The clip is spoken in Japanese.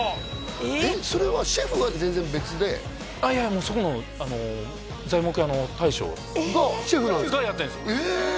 えっそれはシェフは全然別であっいやそこの材木屋の大将がやってるんですよえ！